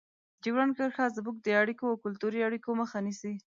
ډیورنډ کرښه زموږ د اړیکو او کلتوري اړیکو مخه نیسي.